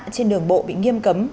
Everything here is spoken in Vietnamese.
trên đường bộ bị nghiêm cấm